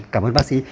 cảm ơn bác sĩ